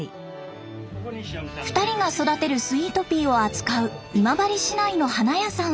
２人が育てるスイートピーを扱う今治市内の花屋さんは。